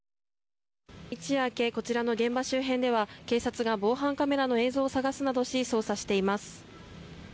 一夜明けこちらの現場周辺では警察が防犯カメラの映像を探すなどし捜査しています。